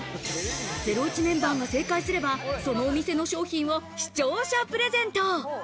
『ゼロイチ』メンバーが正解すれば、そのお店の商品を視聴者プレゼント。